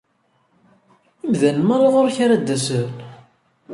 Imdanen merra ɣur-k ara d-asen!